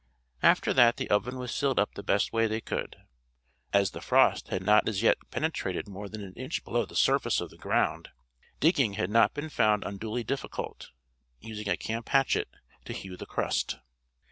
After that the oven was sealed up the best way they could. As the frost had not as yet penetrated more than an inch below the surface of the ground, digging had not been found unduly difficult, using a camp hatchet to hew the crust.